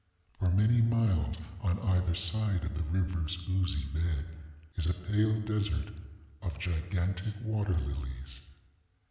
For many miles on either side of the riverŌĆÖs oozy bed is a pale desert of gigantic water lilies.